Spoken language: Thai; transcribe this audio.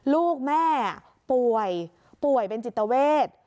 ลูกแม่ป่วยเป็นจิตเทวร์เวทย์